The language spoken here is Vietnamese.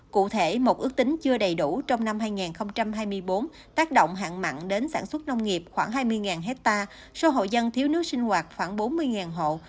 cụ thể một ước tính chưa đầy đủ trong năm hai nghìn hai mươi bốn tác động hạn mặn đến sản xuất nông nghiệp khoảng hai mươi hectare số hộ dân thiếu nước sinh hoạt khoảng bốn mươi hộ